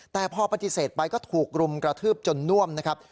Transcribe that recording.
แต่พอปฏิเสธไปก็ถูกรุมกระทืบจนน่วมนะครับ